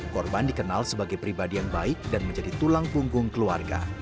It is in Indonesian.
korban dikenal sebagai pribadi yang baik dan menjadi tulang punggung keluarga